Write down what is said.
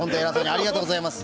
ありがとうございます。